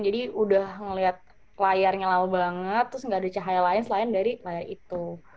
jadi udah ngelihat layarnya lalu banget terus nggak ada cahaya lain selain dari layar itu